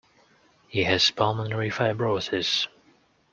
He has pulmonary fibrosis.